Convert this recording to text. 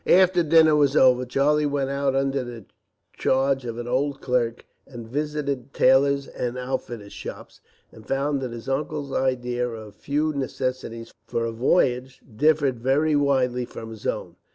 After dinner was over, Charlie went out under the charge of an old clerk, and visited tailors' and outfitters' shops, and found that his uncle's idea of the few necessaries for a voyage differed very widely from his own.